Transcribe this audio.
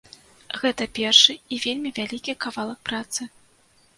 Гэта першы і вельмі вялікі кавалак працы.